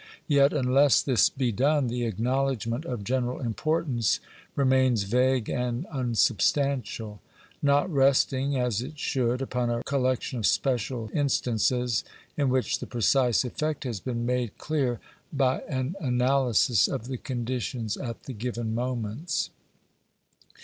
Yet, unless this be done, the acknowledgment of general importance remains vague and unsubstantial; not resting, as it should, upon a collection of special instances in which the precise effect has been made clear, by an analysis of the conditions at the given moments.